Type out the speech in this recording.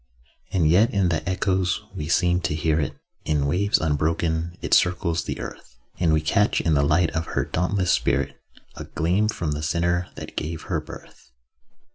And yet in the echoes we seem to hear it; In waves unbroken it circles the earth: And we catch in the light of her dauntless spirit A gleam from the centre that gave her birth.